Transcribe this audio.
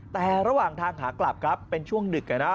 แต่ระหว่างทางขากลับครับเป็นช่วงดึก